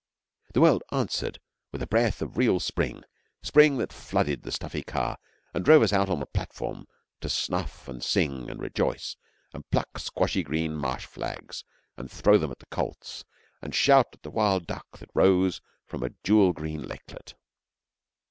The world answered with a breath of real spring spring that flooded the stuffy car and drove us out on the platform to snuff and sing and rejoice and pluck squashy green marsh flags and throw them at the colts, and shout at the wild duck that rose from a jewel green lakelet.